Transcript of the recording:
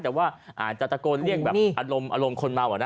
แต่ว่าจัดโกรธเรียกแบบอารมณ์คนเมาเหรอนะ